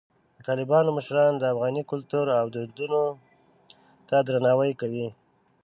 د طالبانو مشران د افغاني کلتور او دودونو ته درناوی کوي.